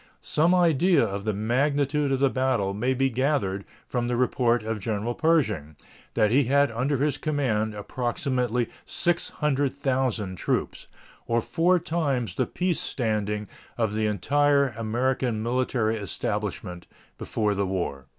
Some idea of the magnitude of the battle may be gathered from the report of General Pershing: that he had under his command approximately 600,000 troops, or four times the peace standing of the entire American military establishment before the war.